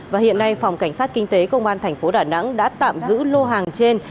và hiện nay phòng cảnh sát kinh tế công an tp đà nẵng đã tạm giữ lô hàng trên